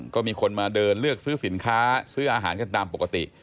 ก็มีคนมาเดินเลือกซื้อสินค้าซื้ออาหารกันตามปกติ